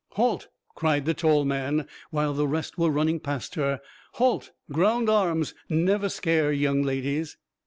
"Halt!" cried the tall man, while the rest were running past her; "halt! ground arms; never scare young ladies."